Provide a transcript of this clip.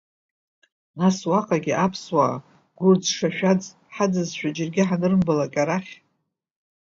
Нас, уаҟагьы аԥсуаа гәырӡ-шашәаӡ ҳаӡызшәа, џьаргьы ҳанырымбалак, арахь…